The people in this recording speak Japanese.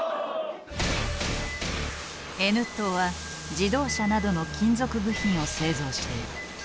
Ｎットーは自動車などの金属部品を製造している。